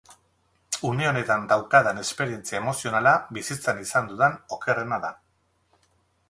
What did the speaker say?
Une honetan daukadan esperientzia emozionala bizitzan izan dudan okerrena da.